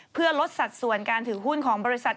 เพื่อลดสัดส่วนการถือหุ้นของบริษัท